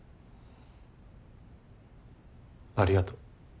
ありがとう。